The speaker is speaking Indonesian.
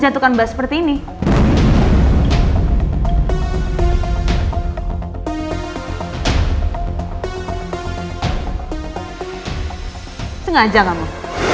tengah aja kamu